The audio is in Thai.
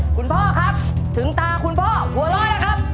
คุณพ่อครับถึงตาคุณพ่อหัวเราะแล้วครับ